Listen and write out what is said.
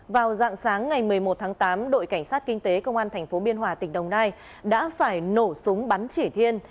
vào dạng sáng ngày một mươi một tháng tám đội cảnh sát kinh tế công an tp biên hòa tỉnh đồng nai đã phải nổ súng bắn chỉ thiên